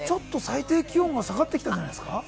最低気温が下がってきたんじゃないですか。